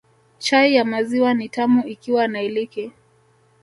Chai ya maziwa ni tamu ikiwa na iliki